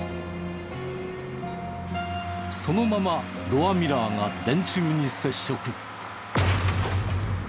そのままドアミラーが電柱に接触。